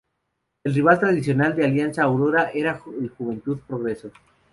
El rival tradicional de Alianza Aurora era el Juventud Progreso.